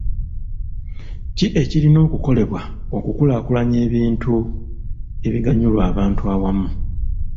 Ki ekirina okukolebwa okukulaakulanya ebintu ebiganyulwa abantu awamu.